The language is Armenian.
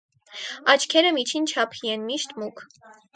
Աչքերը միջին չափի են, միշտ մուգ։